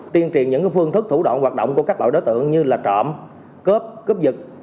tiên triền những phương thức thủ động hoạt động của các loại đối tượng như trộm cướp cướp dịch